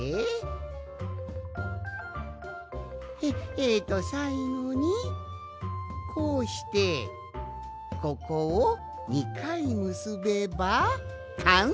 えとさいごにこうしてここを２かいむすべばかんせいじゃ。